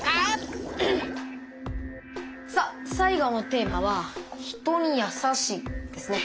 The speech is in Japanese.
さあ最後のテーマは「人にやさしい」ですね。